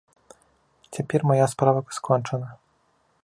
Цяпер мая справа скончана.